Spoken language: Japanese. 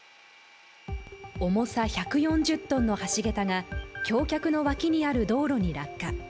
重さ１４０ｔの橋桁が橋脚の脇にある道路に落下。